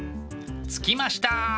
着きました。